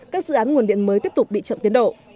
các dự án nguồn điện mới tiếp tục bị chậm tiến độ